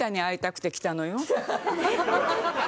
ハハハハ！